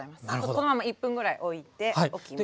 このまま１分ぐらいおいておきます。